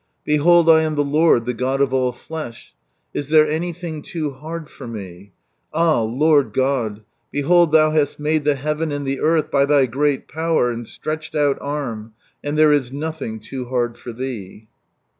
^' Behold, I am the Lord, the God of all flesh, is there any thing TOO HARD FOR Me ?,.. Ah, Lord God I Behold Than hast made the heaven and the earth by Thy great power and slretdud oul arm, and there IS NOTHING TOO HARD FOR ThEE